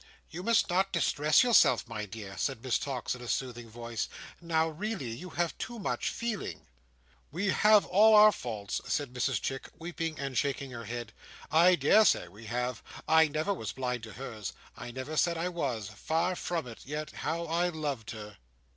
"You must not distress yourself, my dear," said Miss Tox, in a soothing voice. "Now really! You have too much feeling." "We have all our faults," said Mrs Chick, weeping and shaking her head. "I daresay we have. I never was blind to hers. I never said I was. Far from it. Yet how I loved her!"